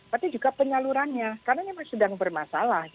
tapi juga penyalurannya karena memang sedang bermasalah